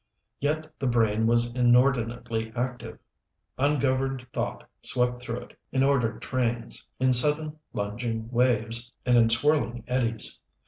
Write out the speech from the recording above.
Yet the brain was inordinately active. Ungoverned thought swept through it in ordered trains, in sudden, lunging waves, and in swirling eddies.